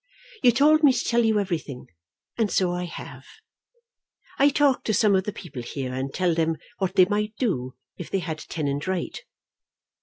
You told me to tell you everything, and so I have. I talk to some of the people here, and tell them what they might do if they had tenant right.